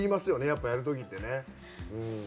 やっぱりやるときって。